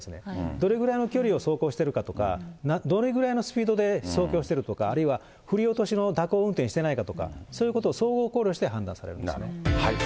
どれぐらいの距離を走行してるかとか、どれぐらいのスピードで走行してるとか、あるいは振り落としの蛇行運転してないかとか、そういうことを総合考慮して判断されるんですね。